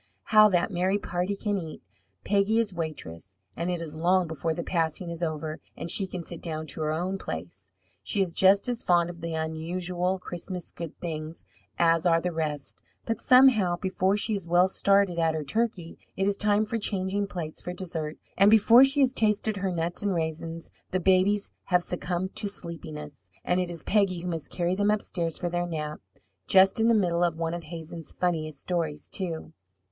How that merry party can eat! Peggy is waitress, and it is long before the passing is over, and she can sit down in her own place. She is just as fond of the unusual Christmas good things as are the rest, but somehow, before she is well started at her turkey, it is time for changing plates for dessert, and before she has tasted her nuts and raisins the babies have succumbed to sleepiness, and it is Peggy who must carry them upstairs for their nap just in the middle of one of Hazen's funniest stories, too.